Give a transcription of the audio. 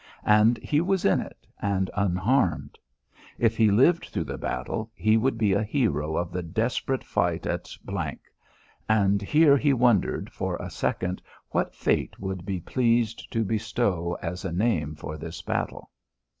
And he was in it, and unharmed. If he lived through the battle, he would be a hero of the desperate fight at ; and here he wondered for a second what fate would be pleased to bestow as a name for this battle.